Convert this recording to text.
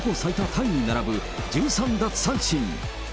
タイに並ぶ１３奪三振。